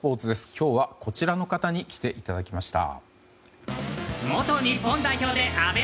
今日はこちらの方に来ていただきました。